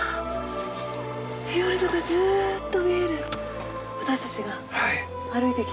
フィヨルドがずっと見える私たちが歩いてきた道。